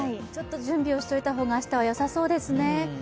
準備をしておいた方が明日はよさそうですね。